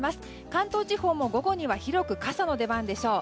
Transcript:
関東地方も午後には広く傘の出番でしょう。